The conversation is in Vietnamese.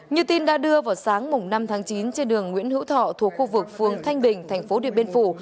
như tin đã đưa vào sáng năm tháng chín trên đường nguyễn hữu thọ thuộc khu vực phường thanh bình tp điện biên phủ